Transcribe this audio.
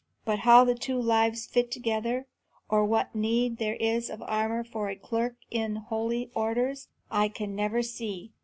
But how the two lives fit together, or what need there is of armour for a clerk in holy orders, I can never see.